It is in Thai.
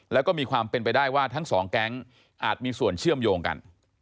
แล้วก็มีความเป็นไปได้ว่าทั้งสองแก๊งอาจมีส่วนเชื่อมโยงกัน